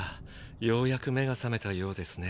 ようやく目が覚めたようですね